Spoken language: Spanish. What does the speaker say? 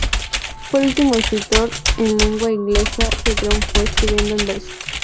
Fue el último escritor en lengua inglesa que triunfó escribiendo en verso.